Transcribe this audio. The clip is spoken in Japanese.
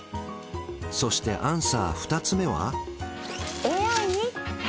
そしてアンサー２つ目は？